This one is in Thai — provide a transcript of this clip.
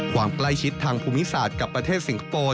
หวังใุ้ใจชิ้นทางภูมิศาสตร์กับประเทศสิงห์คโปร่